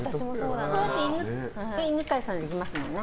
これ犬飼さんできますもんね。